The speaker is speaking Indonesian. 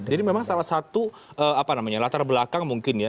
jadi memang salah satu apa namanya latar belakang mungkin ya